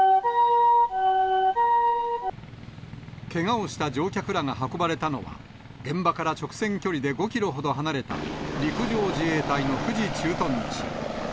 けがをした乗客らが運ばれたのは、現場から直線距離で５キロほど離れた、陸上自衛隊の富士駐屯地。